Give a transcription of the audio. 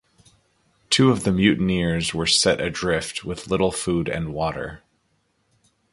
Two of the mutineers were set adrift with little food and water.